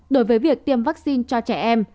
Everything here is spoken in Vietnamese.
đối với việc tiêm vaccine cho trẻ em